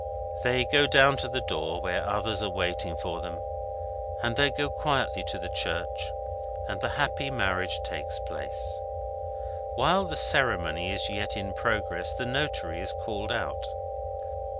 They go down to the door, where others are waiting for them, and they go quietly to the church, and the happy marriage takes place. While the ceremony is yet in progress, the notary is called out.